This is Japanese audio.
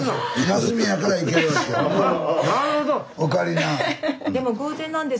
なるほど。